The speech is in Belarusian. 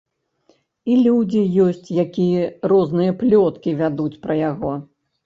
І людзі ёсць, якія розныя плёткі вядуць пра яго.